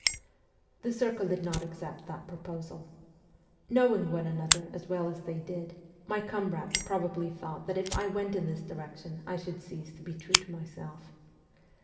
The circle did not accept that proposal. Knowing one another as well as they did, my comrades probably thought that if I went in this direction I should cease to be true to myself.